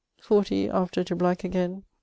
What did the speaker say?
lx after to black againe .